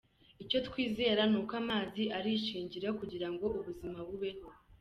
Icyo twizera ni uko amazi ari ishingiro kugira ngo ubuzima bubeho.